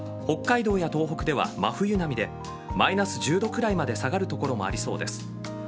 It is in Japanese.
北海道や東北では真冬並みでマイナス１０度くらいまで下がる所もありそうです。